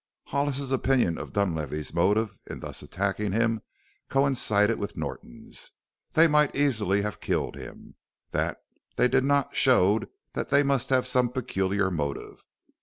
Hollis's opinion of Dunlavey's motive in thus attacking him coincided with Norton's. They might easily have killed him. That they did not showed that they must have some peculiar motive.